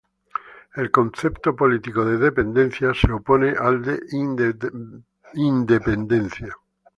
El concepto político de "dependencia" se opone al de independencia.